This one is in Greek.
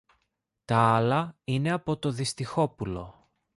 Τ' άλλα είναι από το Δυστυχόπουλο.